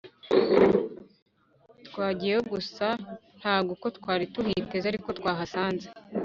Twagiyeyo gusa ntago uko twari tuhiteze ariko twahasanzwe